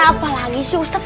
ada apa lagi sih ustadz